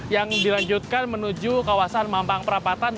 yang dilanjutkan menuju kawasan mampang perapatan